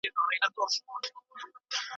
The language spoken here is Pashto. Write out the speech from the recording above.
که انټرنیټي اسانتیا وي نو درس نه ټکنی کیږي.